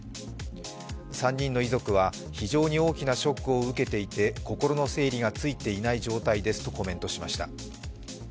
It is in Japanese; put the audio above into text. ３人の遺族は非常に大きなショックを受けていて心の整理がついていない状態ですとコメントしました。